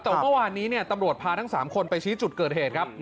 แต่ว่าเมื่อวานนี้ตำรวจพาทั้ง๓คนไปชี้จุดเกิดเหตุครับ